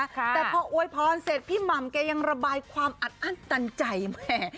แต่พออวยพรเสร็จพี่หม่ำแกยังระบายความอัดอั้นตันใจแม่